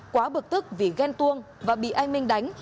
quá bực tức vì ghen tuông và bị anh minh đánh